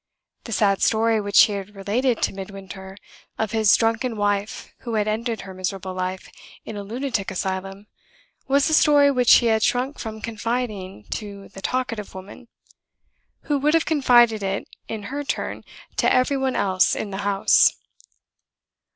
The sad story which he had related to Midwinter, of his drunken wife who had ended her miserable life in a lunatic asylum, was a story which he had shrunk from confiding to the talkative woman, who would have confided it in her turn to every one else in the house.